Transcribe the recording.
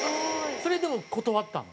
それでも断ったの？